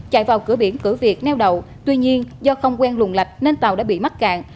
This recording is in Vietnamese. chạy vào cửa biển cửa việt neo đầu tuy nhiên do không quen lùng lạch nên tàu đã bị mắc cạn